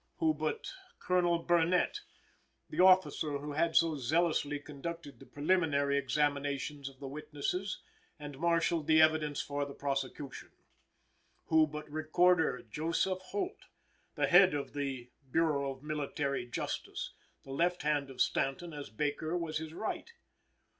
Who but Colonel Burnett, the officer who had so zealously conducted the preliminary examinations of the witnesses and marshalled the evidence for the prosecution? Who but Recorder Joseph Holt, the head of the Bureau of Military Justice, the left hand of Stanton as Baker was his right?